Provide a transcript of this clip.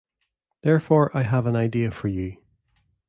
Therefore I have an idea for you.